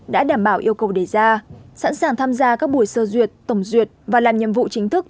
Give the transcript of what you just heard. đã đảm bảo yêu cầu đề ra sẵn sàng tham gia các buổi sơ duyệt tổng duyệt và làm nhiệm vụ chính thức